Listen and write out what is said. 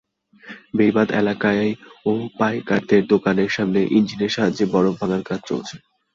বেড়িবাঁধ এলাকায় ও পাইকারদের দোকানের সামনে ইঞ্জিনের সাহায্যে বরফ ভাঙার কাজ চলছে।